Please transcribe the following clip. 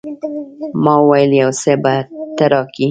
ما وويل يو څه به ته راکې.